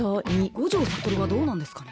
五条悟はどうなんですかね。